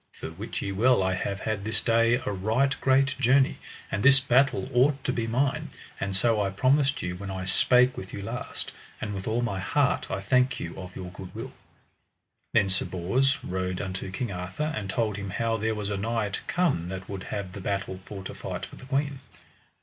For wit ye well I have had this day a right great journey, and this battle ought to be mine, and so I promised you when I spake with you last, and with all my heart I thank you of your good will. Then Sir Bors rode unto King Arthur and told him how there was a knight come that would have the battle for to fight for the queen.